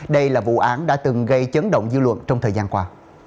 đây là vụ án đã từng gây chấn động dư luận trong thời gian qua